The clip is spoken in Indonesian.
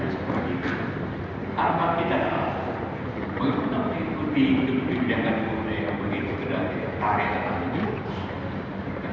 saya tidak tahu mana terbahak bahak